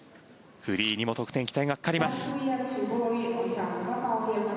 フリーにも得点、期待がかかります。